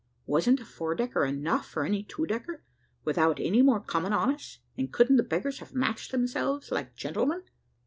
Wasn't a four decker enough for any two decker, without any more coming on us? and couldn't the beggars have matched themselves like gentlemen?